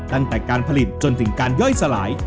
ตั้งแต่การผลิตจนถึงการย่อยสลาย